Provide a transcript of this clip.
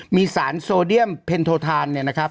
มีสารโซเดียมเพ็ญโททานเนี่ยนะครับ